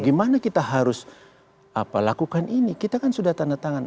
gimana kita harus lakukan ini kita kan sudah tanda tangan